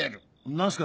何すか？